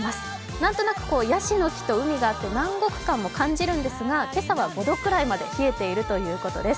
何となくやしの木と海があって南国感を感じるんですが今朝は５度くらいまで冷えているということです。